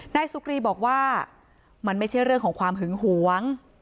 นายสุกรีบอกว่ามันไม่ใช่เรื่องของความหึงหวง